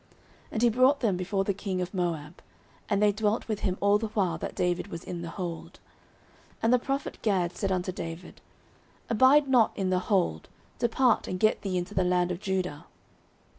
09:022:004 And he brought them before the king of Moab: and they dwelt with him all the while that David was in the hold. 09:022:005 And the prophet Gad said unto David, Abide not in the hold; depart, and get thee into the land of Judah.